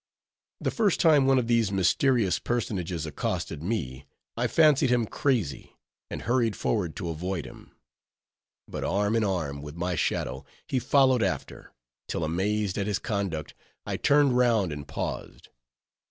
The first time one of these mysterious personages accosted me, I fancied him crazy, and hurried forward to avoid him. But arm in arm with my shadow, he followed after; till amazed at his conduct, I turned round and paused.